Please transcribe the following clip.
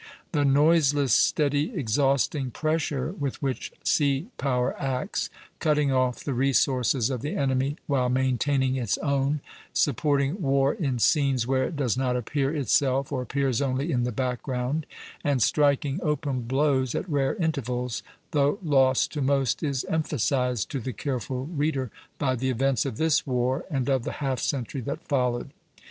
The noiseless, steady, exhausting pressure with which sea power acts, cutting off the resources of the enemy while maintaining its own, supporting war in scenes where it does not appear itself, or appears only in the background, and striking open blows at rare intervals, though lost to most, is emphasized to the careful reader by the events of this war and of the half century that followed.